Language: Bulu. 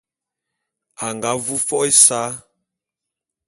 A nga vu fo’o ésa.